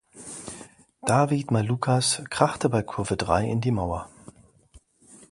David Malukas krachte bei Kurve drei in die Mauer.